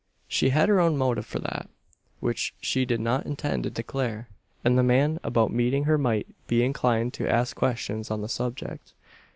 She had her own motive for that, which she did not intend to declare; and the man about meeting her might be inclined to ask questions on the subject.